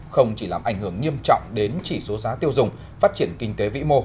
không chỉ làm ảnh hưởng nghiêm trọng đến chỉ số giá tiêu dùng phát triển kinh tế vĩ mô